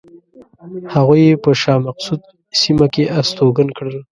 هغوی یې په شاه مقصود سیمه کې استوګن کړل.